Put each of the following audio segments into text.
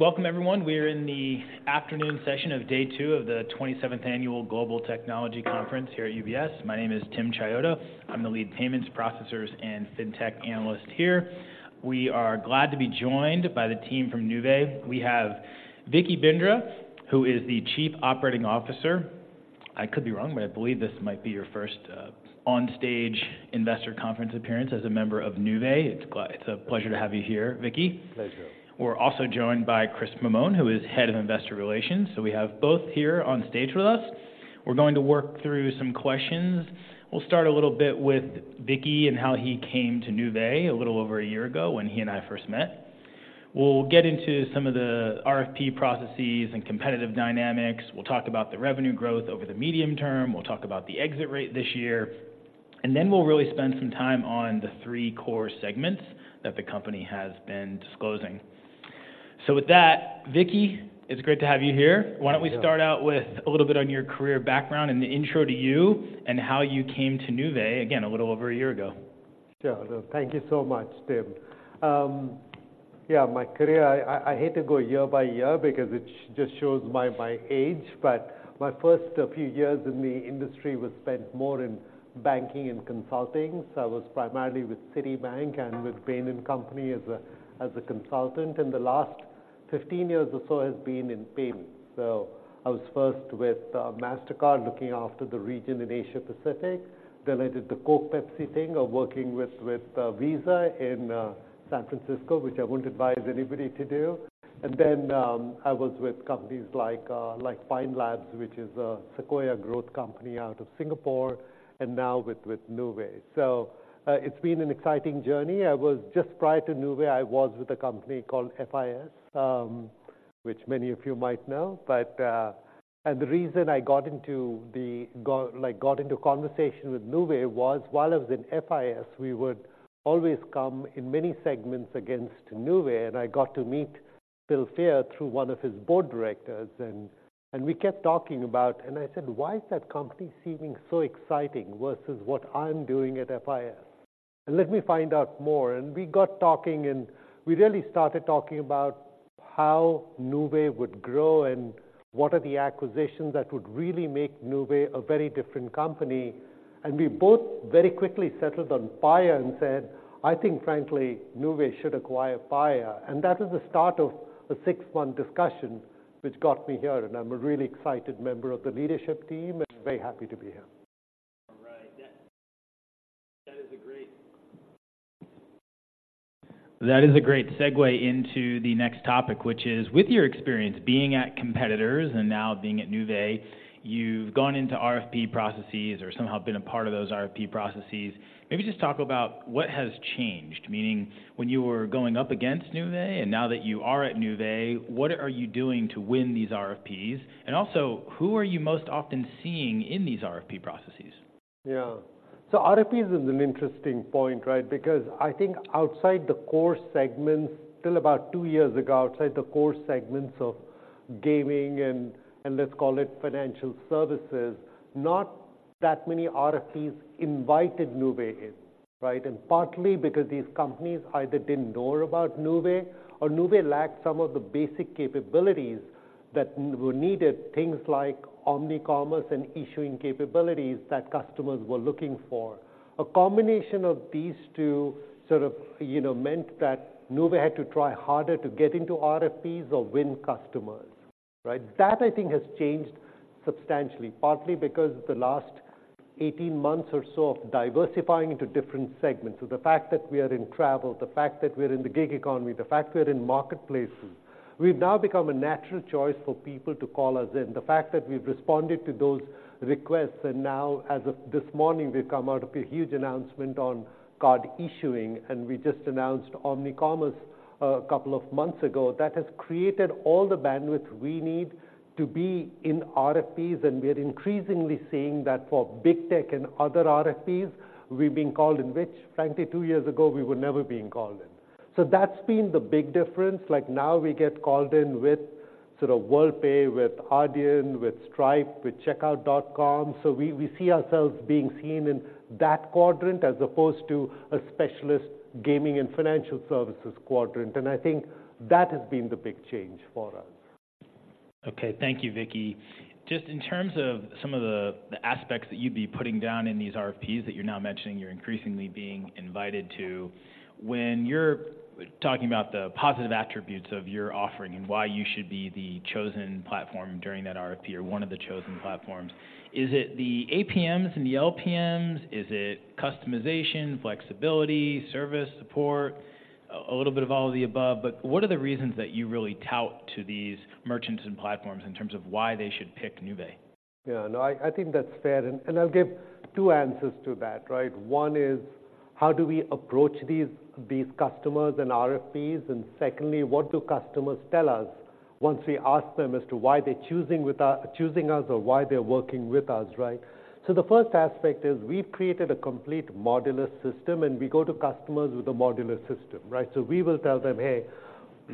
Welcome, everyone. We're in the afternoon session of day 2 of the 27th Annual Global Technology Conference here at UBS. My name is Tim Chiodo. I'm the lead payments, processors, and FinTech analyst here. We are glad to be joined by the team from Nuvei. We have Vicky Bindra, who is the Chief Operating Officer. I could be wrong, but I believe this might be your first on-stage investor conference appearance as a member of Nuvei. It's a pleasure to have you here, Vicky. Pleasure. We're also joined by Chris Mammone, who is Head of Investor Relations. So we have both here on stage with us. We're going to work through some questions. We'll start a little bit with Vicky and how he came to Nuvei a little over a year ago when he and I first met. We'll get into some of the RFP processes and competitive dynamics. We'll talk about the revenue growth over the medium term. We'll talk about the exit rate this year, and then we'll really spend some time on the three core segments that the company has been disclosing. So with that, Vicky, it's great to have you here. Thank you. Why don't we start out with a little bit on your career background and the intro to you and how you came to Nuvei, again, a little over a year ago? Sure. Thank you so much, Tim. Yeah, my career, I hate to go year by year because it just shows my age, but my first few years in the industry was spent more in banking and consulting. So I was primarily with Citibank and with Bain & Company as a consultant, and the last 15 years or so has been in payments. So I was first with Mastercard, looking after the region in Asia Pacific. Then I did the Coke, Pepsi thing of working with Visa in San Francisco, which I wouldn't advise anybody to do. Then I was with companies like Pine Labs, which is a Sequoia Growth company out of Singapore, and now with Nuvei. So it's been an exciting journey. I was just prior to Nuvei, I was with a company called FIS, which many of you might know, but. And the reason I got, like, into a conversation with Nuvei was while I was in FIS, we would always come in many segments against Nuvei, and I got to meet Phil Fayer through one of his board directors, and we kept talking about. And I said, "Why is that company seeming so exciting versus what I'm doing at FIS? And let me find out more." And we got talking, and we really started talking about how Nuvei would grow and what are the acquisitions that would really make Nuvei a very different company. We both very quickly settled on PAYA and said, "I think, frankly, Nuvei should acquire ." That was the start of a six-month discussion which got me here, and I'm a really excited member of the leadership team and very happy to be here. All right. That is a great segue into the next topic, which is with your experience being at competitors and now being at Nuvei, you've gone into RFP processes or somehow been a part of those RFP processes. Maybe just talk about what has changed, meaning when you were going up against Nuvei and now that you are at Nuvei, what are you doing to win these RFPs? And also, who are you most often seeing in these RFP processes? Yeah. So RFPs is an interesting point, right? Because I think outside the core segments, till about 2 years ago, outside the core segments of gaming and, and let's call it financial services, not that many RFPs invited Nuvei in, right? And partly because these companies either didn't know about Nuvei or Nuvei lacked some of the basic capabilities that were needed, things like omnicommerce and issuing capabilities that customers were looking for. A combination of these two sort of, you know, meant that Nuvei had to try harder to get into RFPs or win customers, right? That, I think, has changed substantially, partly because the last 18 months or so of diversifying into different segments. So the fact that we are in travel, the fact that we're in the gig economy, the fact we're in marketplaces, we've now become a natural choice for people to call us in. The fact that we've responded to those requests, and now, as of this morning, we've come out of a huge announcement on card issuing, and we just announced omnicommerce a couple of months ago. That has created all the bandwidth we need to be in RFPs, and we are increasingly seeing that for big tech and other RFPs, we've been called in, which frankly, two years ago, we were never being called in. So that's been the big difference. Like, now we get called in with sort of Worldpay, with Adyen, with Stripe, with Checkout.com. So we, we see ourselves being seen in that quadrant as opposed to a specialist gaming and financial services quadrant, and I think that has been the big change for us. Okay. Thank you, Vicky. Just in terms of some of the, the aspects that you'd be putting down in these RFPs that you're now mentioning you're increasingly being invited to, when you're talking about the positive attributes of your offering and why you should be the chosen platform during that RFP or one of the chosen platforms, is it the APMs and the LPMs? Is it customization, flexibility, service, support, a little bit of all of the above? But what are the reasons that you really tout to these merchants and platforms in terms of why they should pick Nuvei? Yeah. No, I, I think that's fair, and, and I'll give two answers to that, right? One is, how do we approach these, these customers and RFPs? And secondly, what do customers tell us once we ask them as to why they're choosing us or why they're working with us, right? So the first aspect is we've created a complete modular system, and we go to customers with a modular system, right? So we will tell them, "Hey,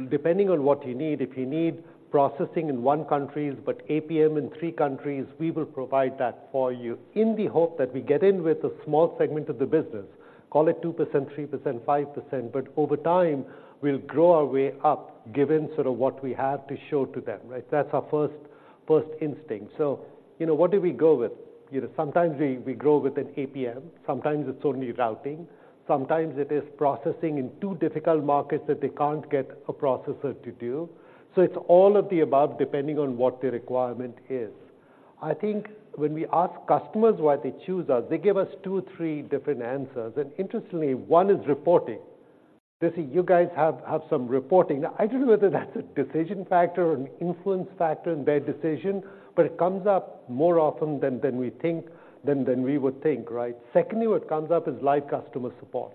depending on what you need, if you need processing in one country, but APM in three countries, we will provide that for you in the hope that we get in with a small segment of the business, call it 2%, 3%, 5%, but over time, we'll grow our way up, given sort of what we have to show to them, right? That's our first, first instinct. So, you know, what do we go with? You know, sometimes we, we grow with an APM, sometimes it's only routing, sometimes it is processing in two difficult markets that they can't get a processor to do. So it's all of the above, depending on what the requirement is. I think when we ask customers why they choose us, they give us 2-3 different answers, and interestingly, one is reporting. They say, "You guys have, have some reporting." I don't know whether that's a decision factor or an influence factor in their decision, but it comes up more often than, than we think—than, than we would think, right? Secondly, what comes up is live customer support.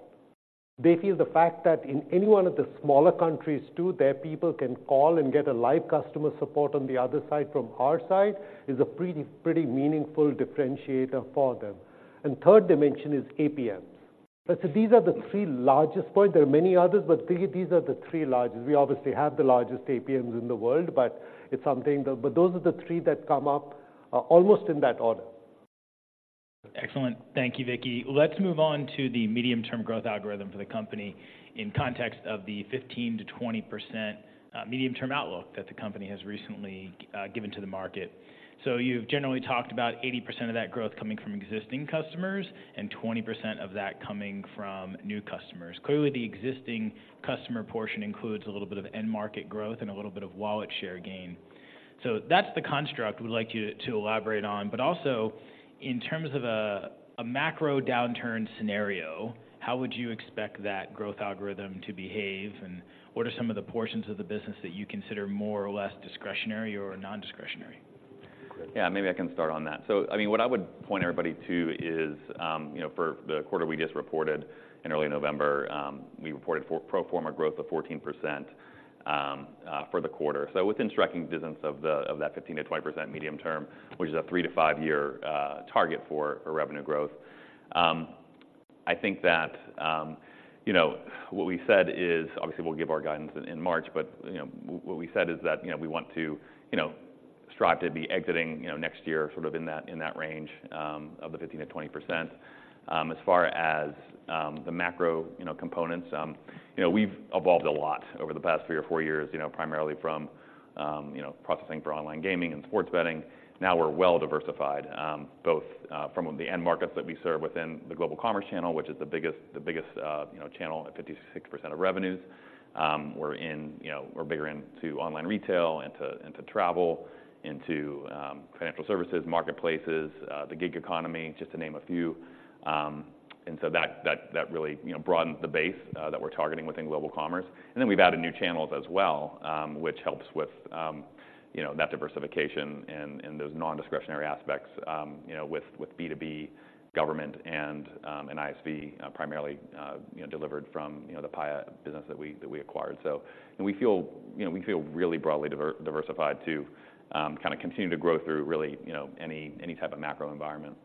They feel the fact that in any one of the smaller countries, too, their people can call and get a live customer support on the other side, from our side, is a pretty, pretty meaningful differentiator for them. And third dimension is APMs. But so these are the three largest point. There are many others, but three, these are the three largest. We obviously have the largest APMs in the world, but it's something but those are the three that come up, almost in that order. Excellent. Thank you, Vicky. Let's move on to the medium-term growth algorithm for the company in context of the 15%-20% medium-term outlook that the company has recently given to the market. So you've generally talked about 80% of that growth coming from existing customers and 20% of that coming from new customers. Clearly, the existing customer portion includes a little bit of end market growth and a little bit of wallet share gain. So that's the construct we'd like you to elaborate on, but also, in terms of a macro downturn scenario, how would you expect that growth algorithm to behave, and what are some of the portions of the business that you consider more or less discretionary or non-discretionary? Yeah, maybe I can start on that. So, I mean, what I would point everybody to is, you know, for the quarter we just reported in early November, we reported pro forma growth of 14%, for the quarter. So within striking distance of that 15%-20% medium term, which is a 3-to-5-year target for revenue growth. I think that, you know, what we said is, obviously, we'll give our guidance in March, but, you know, what we said is that, you know, we want to strive to be exiting next year, sort of in that range of the 15%-20%. As far as the macro, you know, components, you know, we've evolved a lot over the past three or four years, you know, primarily from, you know, processing for online gaming and sports betting. Now we're well diversified, both from the end markets that we serve within the global commerce channel, which is the biggest, the biggest, you know, channel at 56% of revenues. We're in, you know, we're bigger into online retail, into, into travel, into financial services, marketplaces, the gig economy, just to name a few. And so that, that, that really, you know, broadened the base that we're targeting within global commerce. And then we've added new channels as well, which helps with, you know, that diversification and those non-discretionary aspects, you know, with B2B, government and ISV, primarily, you know, delivered from the Paya business that we acquired. So we feel, you know, we feel really broadly diversified to kinda continue to grow through really, you know, any type of macro environment.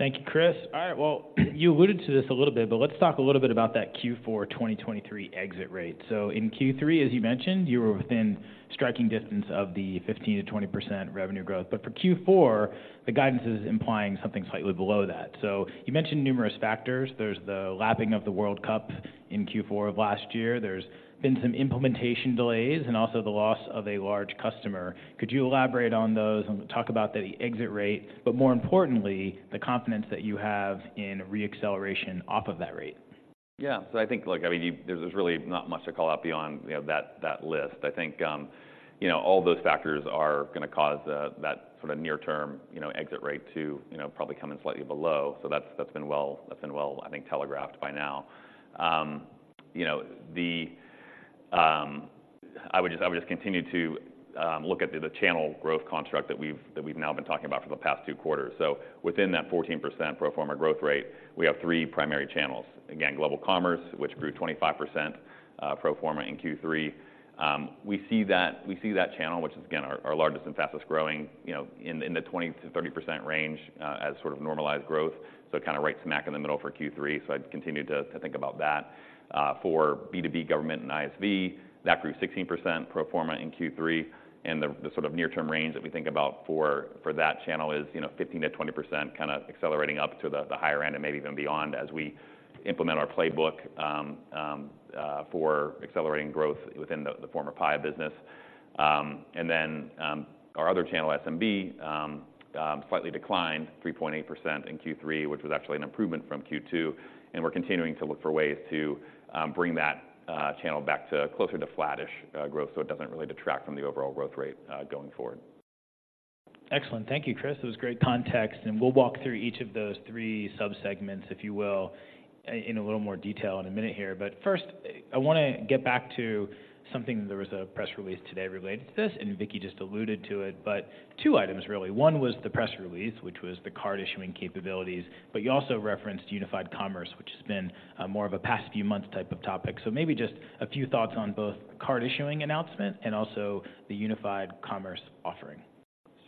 Thank you, Chris. All right, well, you alluded to this a little bit, but let's talk a little bit about that Q4 2023 exit rate. So in Q3, as you mentioned, you were within striking distance of the 15%-20% revenue growth, but for Q4, the guidance is implying something slightly below that. So you mentioned numerous factors. There's the lapping of the World Cup in Q4 of last year. There's been some implementation delays and also the loss of a large customer. Could you elaborate on those and talk about the exit rate, but more importantly, the confidence that you have in re-acceleration off of that rate? Yeah. So I think, look, I mean, there's really not much to call out beyond, you know, that list. I think, you know, all those factors are gonna cause that sort of near term, you know, exit rate to, you know, probably come in slightly below. So that's been well, I think, telegraphed by now. You know, I would just continue to look at the channel growth construct that we've now been talking about for the past 2 quarters. So within that 14% pro forma growth rate, we have 3 primary channels. Again, global commerce, which grew 25%, pro forma in Q3. We see that, we see that channel, which is, again, our, our largest and fastest growing, you know, in the 20%-30% range, as sort of normalized growth, so kind of right smack in the middle for Q3, so I'd continue to, to think about that. For B2B government and ISV, that grew 16% pro forma in Q3, and the, the sort of near-term range that we think about for, for that channel is, you know, 15%-20%, kinda accelerating up to the, the higher end and maybe even beyond as we implement our playbook, for accelerating growth within the, the former Paya business. And then, our other channel, SMB, slightly declined 3.8% in Q3, which was actually an improvement from Q2, and we're continuing to look for ways to bring that channel back to closer to flattish growth, so it doesn't really detract from the overall growth rate, going forward. Excellent. Thank you, Chris. That was great context, and we'll walk through each of those three subsegments, if you will, in a little more detail in a minute here. But first, I wanna get back to something, there was a press release today related to this, and Vicky just alluded to it, but two items, really. One was the press release, which was the card-issuing capabilities, but you also referenced unified commerce, which has been more of a past few months type of topic. So maybe just a few thoughts on both card-issuing announcement and also the unified commerce offering.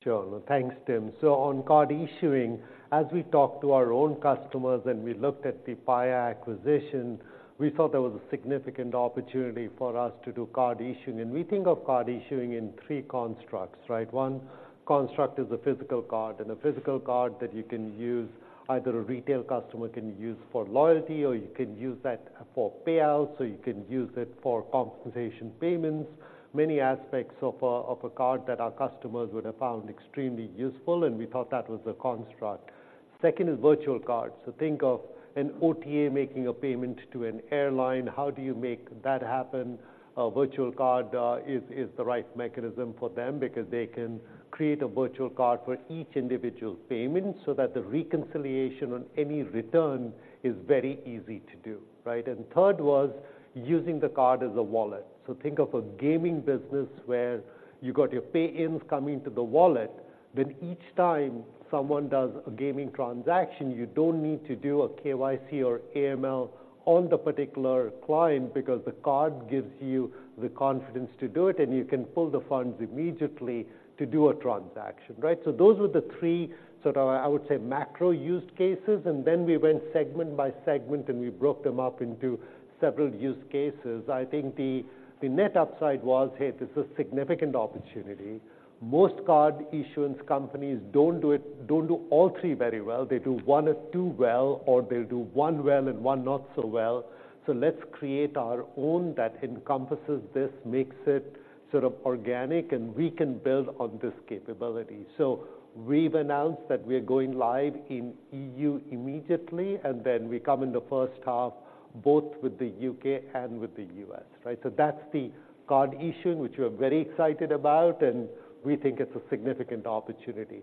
Sure. Thanks, Tim. So on card issuing, as we talked to our own customers and we looked at the Paya acquisition, we thought there was a significant opportunity for us to do card issuing. And we think of card issuing in three constructs, right? One construct is a physical card, and a physical card that you can use, either a retail customer can use for loyalty, or you can use that for payouts, or you can use it for compensation payments. Many aspects of a card that our customers would have found extremely useful, and we thought that was a construct. Second is virtual cards. So think of an OTA making a payment to an airline. How do you make that happen? A virtual card is the right mechanism for them because they can create a virtual card for each individual payment so that the reconciliation on any return is very easy to do, right? And third was using the card as a wallet. So think of a gaming business where you got your pay-ins coming to the wallet, then each time someone does a gaming transaction, you don't need to do a KYC or AML on the particular client, because the card gives you the confidence to do it, and you can pull the funds immediately to do a transaction, right? So those were the three sort of, I would say, macro use cases, and then we went segment by segment, and we broke them up into several use cases. I think the net upside was, hey, this is a significant opportunity. Most card issuance companies don't do it, don't do all three very well. They do one or two well, or they'll do one well and one not so well. So let's create our own that encompasses this, makes it sort of organic, and we can build on this capability. So we've announced that we are going live in E.U. immediately, and then we come in the first half, both with the U.K. and with the U.S., right? So that's the card issuing, which we're very excited about, and we think it's a significant opportunity.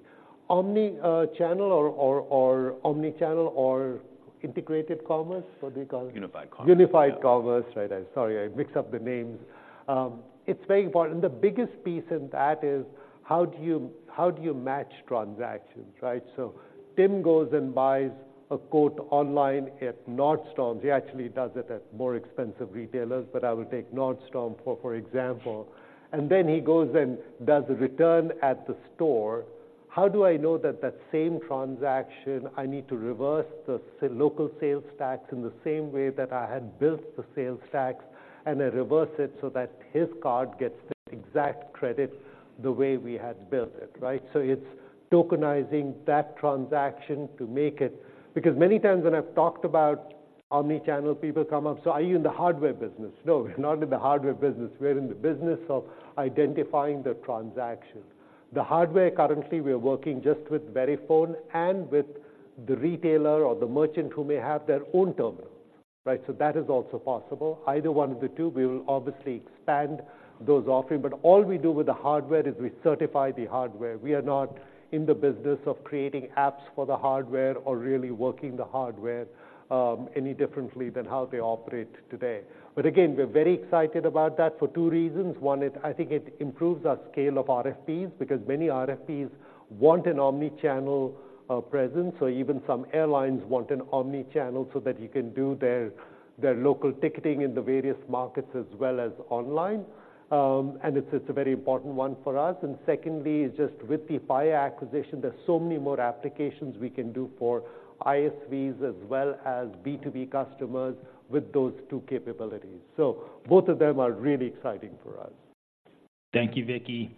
Omni, channel or, or, or omni-channel or integrated commerce, what do you call it? Unified commerce. Unified commerce. Yeah. Right. I'm sorry, I mixed up the names. It's very important. The biggest piece in that is how do you, how do you match transactions, right? So Tim goes and buys a coat online at Nordstrom. He actually does it at more expensive retailers, but I will take Nordstrom for example. And then he goes and does the return at the store. How do I know that that same transaction, I need to reverse the local sales tax in the same way that I had built the sales tax, and I reverse it so that his card gets the exact credit the way we had built it, right? So it's tokenizing that transaction to make it. Because many times when I've talked about omni-channel, people come up: "So are you in the hardware business?" No, we're not in the hardware business. We're in the business of identifying the transaction. The hardware, currently, we are working just with Verifone and with the retailer or the merchant who may have their own terminal, right? So that is also possible, either one of the two. We will obviously expand those offerings, but all we do with the hardware is we certify the hardware. We are not in the business of creating apps for the hardware or really working the hardware any differently than how they operate today. But again, we're very excited about that for two reasons. One, I think it improves our scale of RFPs, because many RFPs want an omni-channel presence, or even some airlines want an omni-channel so that you can do their local ticketing in the various markets as well as online. And it's, it's a very important one for us. Secondly, is just with the Paya acquisition, there's so many more applications we can do for ISVs as well as B2B customers with those two capabilities. So both of them are really exciting for us. Thank you, Vicky.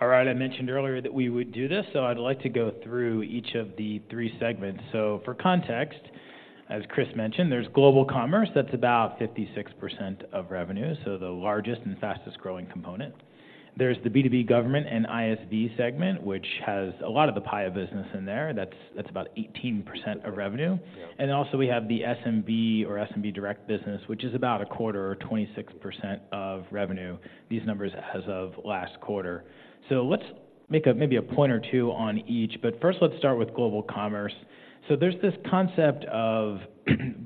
All right, I mentioned earlier that we would do this, so I'd like to go through each of the three segments. For context, as Chris mentioned, there's global commerce, that's about 56% of revenue, so the largest and fastest growing component. There's the B2B government and ISV segment, which has a lot of the Paya business in there. That's about 18% of revenue. Yeah. Also we have the SMB or SMB direct business, which is about a quarter or 26% of revenue, these numbers as of last quarter. So let's make a, maybe a point or two on each, but first, let's start with global commerce. So there's this concept of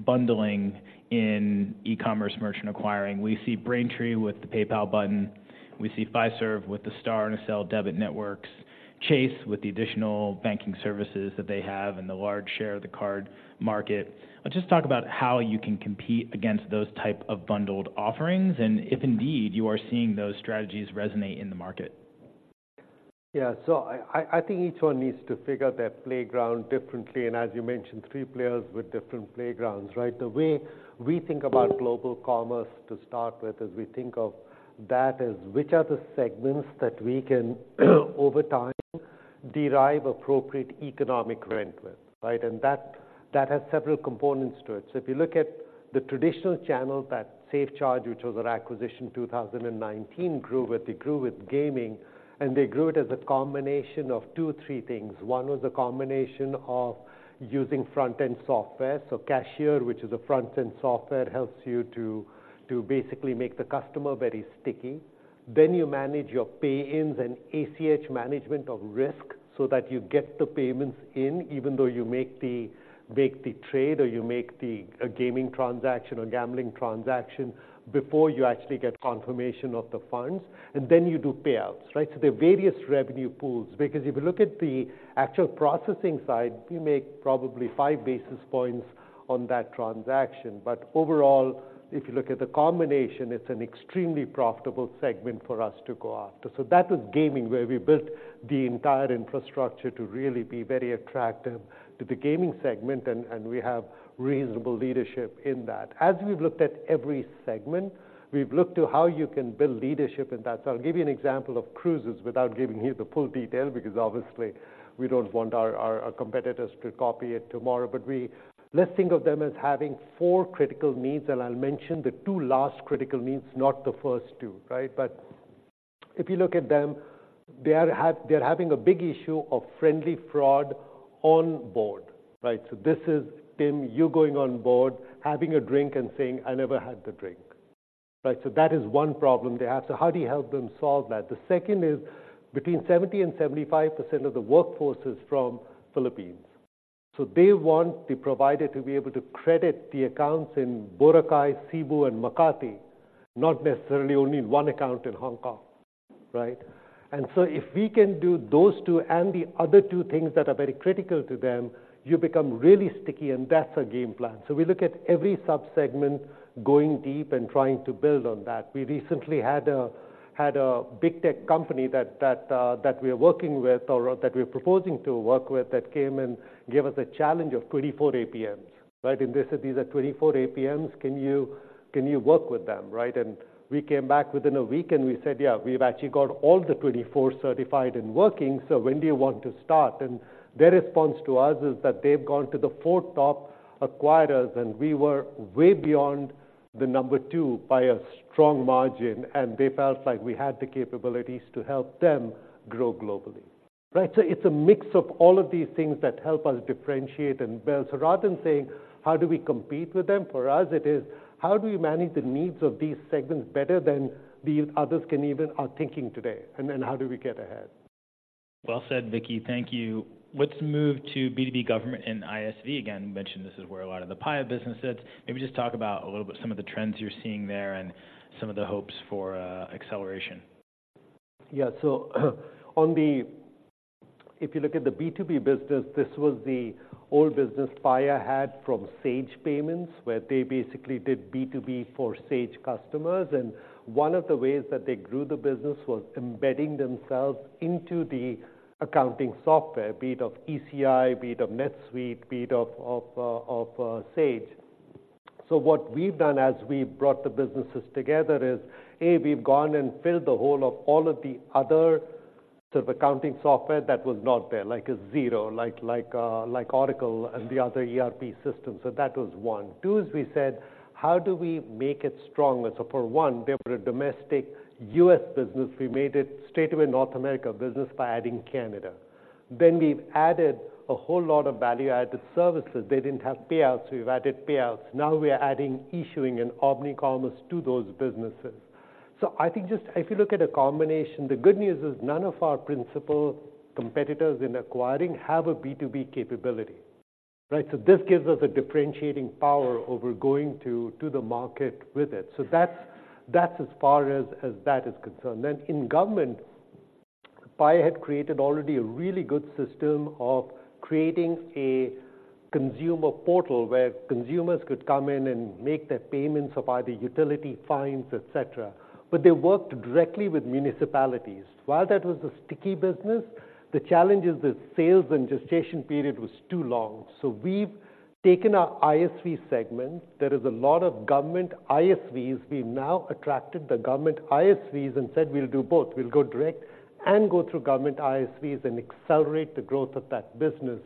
bundling in e-commerce merchant acquiring. We see Braintree with the PayPal button. We see Fiserv with the Star and Accel debit networks, Chase with the additional banking services that they have and the large share of the card market. Let's just talk about how you can compete against those type of bundled offerings, and if indeed you are seeing those strategies resonate in the market. Yeah. So I think each one needs to figure their playground differently, and as you mentioned, three players with different playgrounds, right? The way we think about global commerce to start with is we think of that as which are the segments that we can, over time, derive appropriate economic rent with, right? And that has several components to it. So if you look at the traditional channels, that SafeCharge, which was our acquisition in 2019, grew with. They grew with gaming, and they grew it as a combination of two or three things. One was a combination of using front-end software. So Cashier, which is a front-end software, helps you to basically make the customer very sticky. Then you manage your pay-ins and ACH management of risk so that you get the payments in, even though you make the trade or you make a gaming transaction or gambling transaction before you actually get confirmation of the funds, and then you do payouts, right? So there are various revenue pools, because if you look at the actual processing side, you make probably five basis points on that transaction. But overall, if you look at the combination, it's an extremely profitable segment for us to go after. So that was gaming, where we built the entire infrastructure to really be very attractive to the gaming segment, and we have reasonable leadership in that. As we've looked at every segment, we've looked to how you can build leadership in that. So I'll give you an example of cruises without giving you the full detail, because obviously, we don't want our competitors to copy it tomorrow. But let's think of them as having 4 critical needs, and I'll mention the 2 last critical needs, not the first 2, right? If you look at them, they are having a big issue of friendly fraud on board, right? So this is, Tim, you going on board, having a drink, and saying, "I never had the drink." Right, so that is one problem they have. So how do you help them solve that? The second is between 70%-75% of the workforce is from Philippines. So they want the provider to be able to credit the accounts in Boracay, Cebu, and Makati, not necessarily only one account in Hong Kong, right? And so if we can do those two and the other two things that are very critical to them, you become really sticky, and that's a game plan. So we look at every subsegment, going deep and trying to build on that. We recently had a big tech company that we are working with or that we're proposing to work with that came and gave us a challenge of 24 APMs, right? And they said, "These are 24 APMs, can you work with them?" Right? We came back within a week, and we said, "Yeah, we've actually got all the 24 certified and working, so when do you want to start?" And their response to us is that they've gone to the four top acquirers, and we were way beyond the number two by a strong margin, and they felt like we had the capabilities to help them grow globally. Right, so it's a mix of all of these things that help us differentiate and build. So rather than saying, how do we compete with them? For us, it is, how do we manage the needs of these segments better than the others can even are thinking today, and then how do we get ahead? Well said, Vicky. Thank you. Let's move to B2B government and ISV. Again, you mentioned this is where a lot of the Paya business sits. Maybe just talk about a little bit some of the trends you're seeing there and some of the hopes for acceleration. Yeah. So, on the if you look at the B2B business, this was the old business Paya had from Sage Payments, where they basically did B2B for Sage customers. And one of the ways that they grew the business was embedding themselves into the accounting software, be it of ECI, be it of NetSuite, be it of Sage. So what we've done as we brought the businesses together is, A, we've gone and filled the hole of all of the other sort of accounting software that was not there, like a Xero, like Oracle and the other ERP systems. So that was one. Two, is we said, "How do we make it stronger?" So for one, they were a domestic US business. We made it a state-of-the-art North American business by adding Canada. Then we've added a whole lot of value-added services. They didn't have payouts, so we've added payouts. Now we are adding issuing and omnichannel to those businesses. So I think just if you look at a combination, the good news is, none of our principal competitors in acquiring have a B2B capability, right? So this gives us a differentiating power over going to the market with it. So that's as far as that is concerned. Then in government, Paya had created already a really good system of creating a consumer portal, where consumers could come in and make their payments of either utility, fines, et cetera. But they worked directly with municipalities. While that was a sticky business, the challenge is that sales and gestation period was too long. So we've taken our ISV segment. There is a lot of government ISVs. We've now attracted the government ISVs and said, "We'll do both. We'll go direct and go through government ISVs, and accelerate the growth of that business,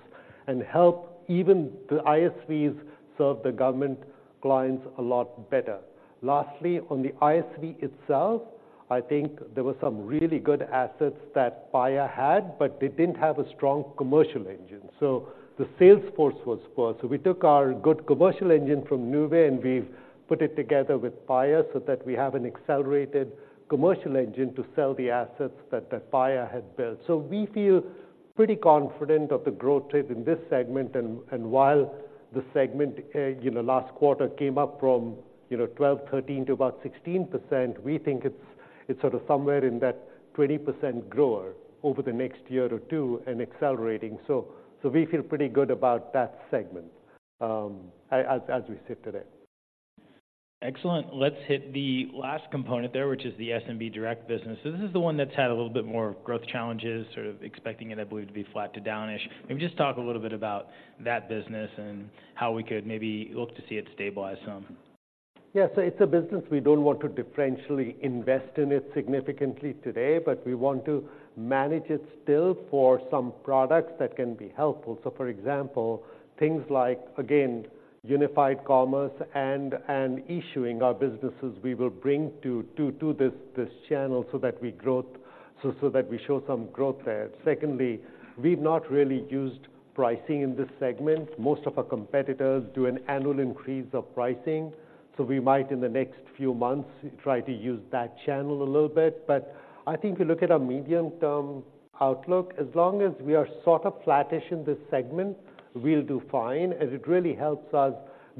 and help even the ISVs serve the government clients a lot better." Lastly, on the ISV itself, I think there were some really good assets that Paya had, but they didn't have a strong commercial engine, so the sales force was poor. So we took our good commercial engine from Nuvei, and we've put it together with Paya so that we have an accelerated commercial engine to sell the assets that Paya had built. So we feel pretty confident of the growth rate in this segment. And while the segment, you know, last quarter came up from, you know, 12-13 to about 16%, we think it's, it's sort of somewhere in that 20% grower over the next year or two and accelerating. So we feel pretty good about that segment, as we sit today. Excellent. Let's hit the last component there, which is the SMB direct business. So this is the one that's had a little bit more growth challenges, sort of expecting it, I believe, to be flat to downish. Maybe just talk a little bit about that business and how we could maybe look to see it stabilize some. Yeah, so it's a business we don't want to differentially invest in it significantly today, but we want to manage it still for some products that can be helpful. So for example, things like, again, unified commerce and issuing are businesses we will bring to this channel so that we show some growth there. Secondly, we've not really used pricing in this segment. Most of our competitors do an annual increase of pricing, so we might, in the next few months, try to use that channel a little bit. But I think if you look at our medium-term outlook, as long as we are sort of flattish in this segment, we'll do fine, as it really helps us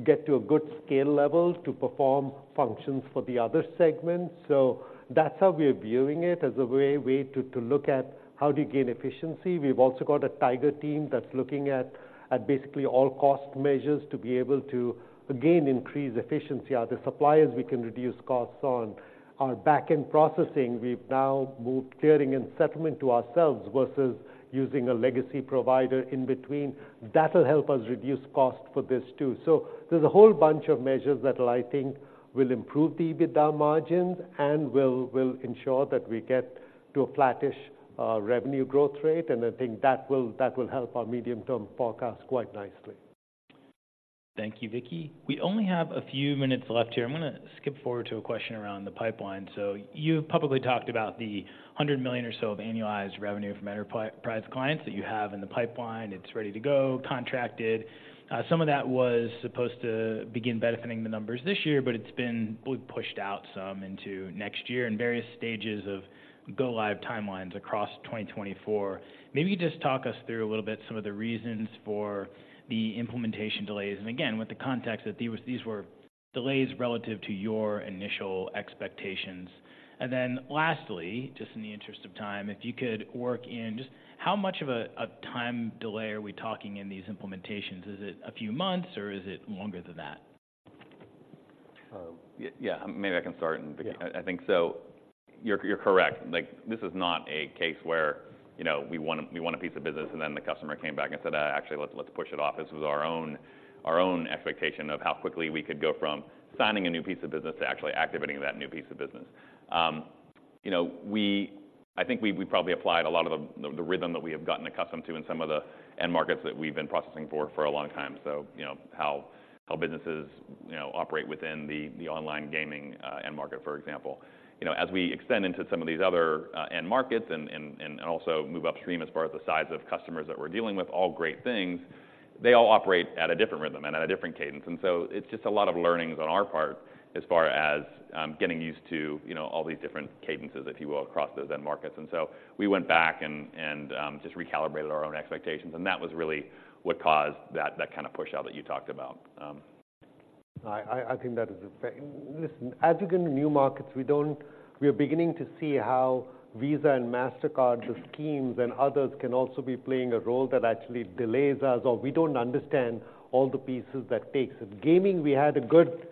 get to a good scale level to perform functions for the other segments. So that's how we are viewing it, as a way, way to, to look at how do you gain efficiency. We've also got a tiger team that's looking at, at basically all cost measures to be able to, again, increase efficiency. Are there suppliers we can reduce costs on? Our back-end processing, we've now moved clearing and settlement to ourselves versus using a legacy provider in between. That'll help us reduce cost for this too. So there's a whole bunch of measures that I think will improve the EBITDA margins and will, will ensure that we get to a flattish revenue growth rate, and I think that will, that will help our medium-term forecast quite nicely. Thank you, Vicky. We only have a few minutes left here. I'm gonna skip forward to a question around the pipeline. So you've publicly talked about the $100 million or so of annualized revenue from enterprise clients that you have in the pipeline. It's ready to go, contracted. Some of that was supposed to begin benefiting the numbers this year, but it's been, well, pushed out some into next year in various stages of go-live timelines across 2024. Maybe just talk us through a little bit some of the reasons for the implementation delays, and again, with the context that these, these were delays relative to your initial expectations. And then lastly, just in the interest of time, if you could work in just how much of a, a time delay are we talking in these implementations? Is it a few months or is it longer than that? Yeah, maybe I can start, Yeah. I think so. You're correct. Like, this is not a case where, you know, we want a piece of business, and then the customer came back and said, "Actually, let's push it off." This was our own expectation of how quickly we could go from signing a new piece of business to actually activating that new piece of business. You know, I think we probably applied a lot of the rhythm that we have gotten accustomed to in some of the end markets that we've been processing for a long time. So, you know, how businesses operate within the online gaming end market, for example. You know, as we extend into some of these other end markets and also move upstream as far as the size of customers that we're dealing with, all great things, they all operate at a different rhythm and at a different cadence. And so it's just a lot of learnings on our part as far as getting used to, you know, all these different cadences, if you will, across those end markets. And so we went back and just recalibrated our own expectations, and that was really what caused that kind of pushout that you talked about. I think that is a. Listen, as you go into new markets, we don't. We're beginning to see how Visa and Mastercard, the schemes and others, can also be playing a role that actually delays us, or we don't understand all the pieces that takes. In gaming, we had a good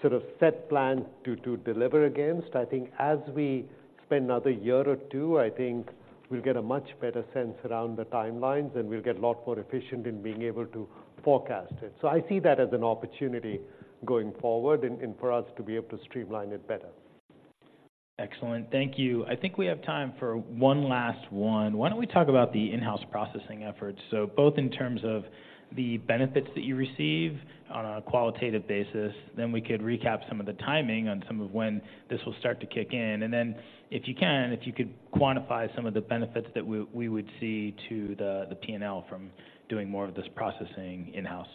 sort of set plan to deliver against. I think as we spend another year or two, I think we'll get a much better sense around the timelines, and we'll get a lot more efficient in being able to forecast it. So I see that as an opportunity going forward and for us to be able to streamline it better. Excellent. Thank you. I think we have time for one last one. Why don't we talk about the in-house processing efforts? So both in terms of the benefits that you receive on a qualitative basis, then we could recap some of the timing on some of when this will start to kick in. And then if you could quantify some of the benefits that we would see to the PNL from doing more of this processing in-house.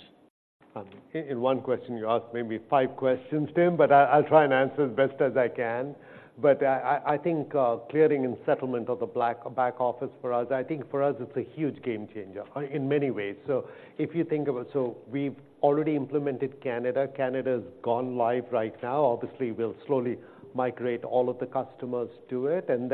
In one question, you asked maybe five questions, Tim, but I'll try and answer as best as I can. But I think clearing and settlement of the back office for us, I think for us, it's a huge game changer in many ways. So if you think about so we've already implemented Canada. Canada's gone live right now. Obviously, we'll slowly migrate all of the customers to it, and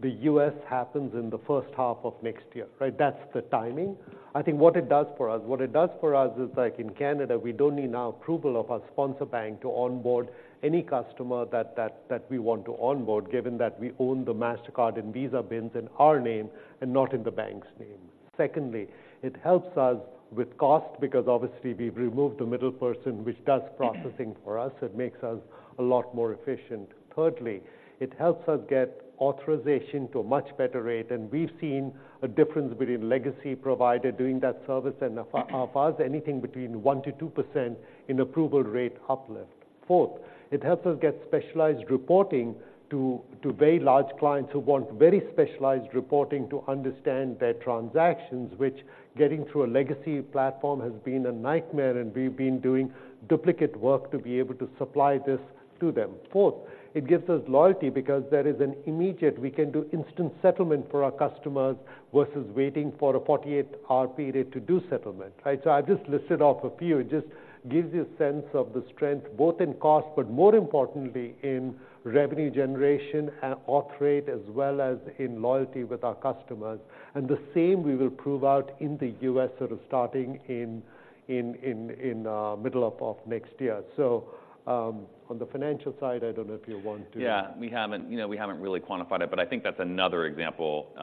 then the U.S. happens in the first half of next year, right? That's the timing. I think what it does for us, what it does for us is like in Canada, we don't need an approval of our sponsor bank to onboard any customer that we want to onboard, given that we own the Mastercard and Visa BINs in our name and not in the bank's name. Secondly, it helps us with cost because obviously we've removed the middle person, which does processing for us. It makes us a lot more efficient. Thirdly, it helps us get authorization to a much better rate, and we've seen a difference between legacy provider doing that service and of ours, anything between 1%-2% in approval rate uplift. Fourth, it helps us get specialized reporting to very large clients who want very specialized reporting to understand their transactions, which getting through a legacy platform has been a nightmare, and we've been doing duplicate work to be able to supply this to them. Fourth, it gives us loyalty because there is an immediate, we can do instant settlement for our customers versus waiting for a 48-hour period to do settlement, right? So I've just listed off a few. It just gives you a sense of the strength, both in cost, but more importantly, in revenue generation and auth rate, as well as in loyalty with our customers. And the same we will prove out in the US, sort of starting in the middle of next year. So, on the financial side, I don't know if you want to- Yeah, we haven't, you know, we haven't really quantified it, but I think that's another example.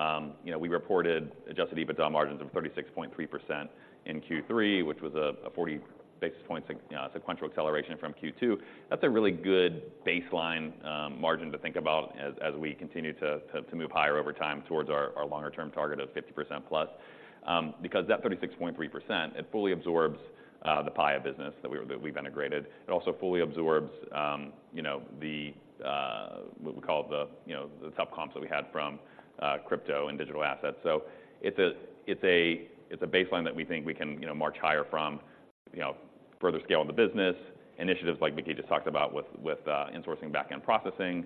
You know, we reported adjusted EBITDA margins of 36.3% in Q3, which was a 40 basis points sequential acceleration from Q2. That's a really good baseline margin to think about as we continue to move higher over time towards our longer-term target of 50%+. Because that 36.3%, it fully absorbs the Paya business that we've integrated. It also fully absorbs, you know, the what we call the sub comps that we had from crypto and digital assets. So it's a baseline that we think we can, you know, march higher from, you know, further scale in the business. Initiatives like Vicky just talked about with insourcing, backend processing,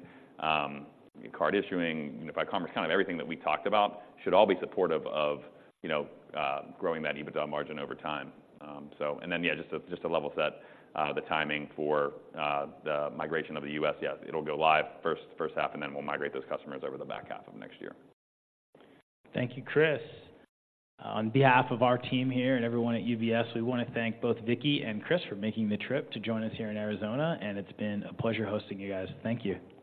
card issuing, unified commerce, kind of everything that we talked about should all be supportive of, you know, growing that EBITDA margin over time. So and then, yeah, just to level set, the timing for the migration of the U.S. Yeah, it'll go live first half, and then we'll migrate those customers over the back half of next year. Thank you, Chris. On behalf of our team here and everyone at UBS, we wanna thank both Vicky and Chris for making the trip to join us here in Arizona, and it's been a pleasure hosting you guys. Thank you. See you.